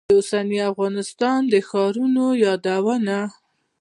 د اوسني افغانستان د ښارونو یادونه.